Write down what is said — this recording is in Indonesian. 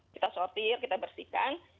kita sortir kita bersihkan